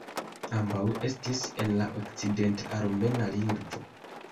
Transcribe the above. Ambaŭ estis en la okcident-armena lingvo.